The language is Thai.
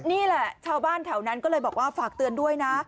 นี่แหละชาวบ้านแถวนั้นก็เลยบอกว่าฝากเตือนด้วยนะ